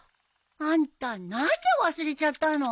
あんた何で忘れちゃったの？